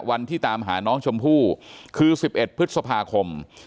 วันที่ตามหาน้องชมพู่คือ๑๑พฤษภาคม